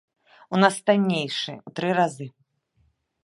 У нас таннейшы ў тры разы.